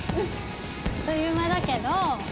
あっという間だけど。